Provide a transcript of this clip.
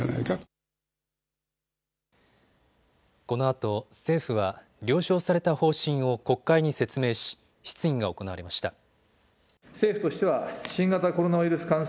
このあと政府は了承された方針を国会に説明し質疑が行われました。